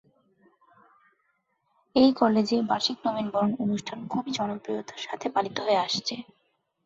এই কলেজে বার্ষিক নবীন বরণ অনুষ্ঠান খুবই জনপ্রিয়তার সাথে পালিত হয়ে আসছে।